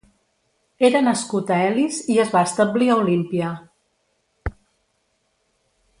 Era nascut a Elis i es va establir a Olímpia.